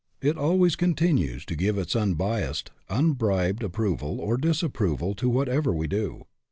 It always continues to give its unbiased, unbribed approval or disapproval to whatever we do.